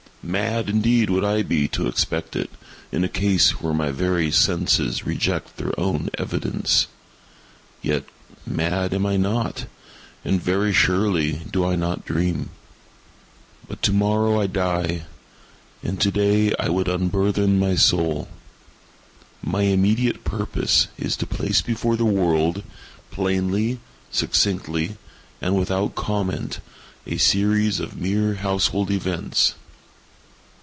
Mad indeed would I be to expect it, in a case where my very senses reject their own evidence. Yet, mad am I not—and very surely do I not dream. But to morrow I die, and to day I would unburthen my soul. My immediate purpose is to place before the world, plainly, succinctly, and without comment, a series of mere household events.